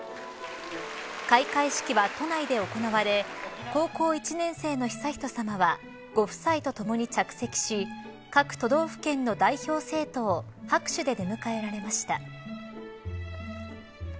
開会式は都内で行われ高校１年生の悠仁さまはご夫妻とともに着席し各都道府県の代表生徒を拍手で出迎えられました。